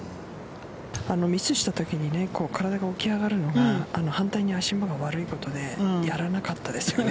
ミスしたときに体が起き上がるのが反対に足場が悪いことでやらなかったですよね。